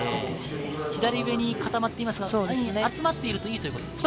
左上に集まっていますが、集まってるのはいいってことですか？